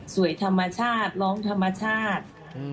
สวยธรรมชาติร้องธรรมชาติ